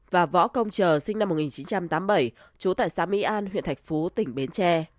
và võ công chờ sinh năm một nghìn chín trăm tám mươi bảy trú tại xã mỹ an huyện thạch phú tỉnh bến tre